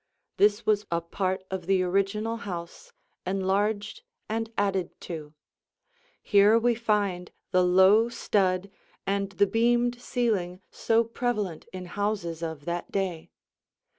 This was a part of the original house, enlarged and added to. Here we find the low stud and the beamed ceiling so prevalent in houses of that day.